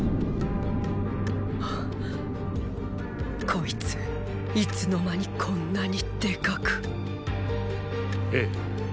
こいついつの間にこんなにでかくええ。